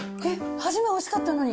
初めおいしかったのに。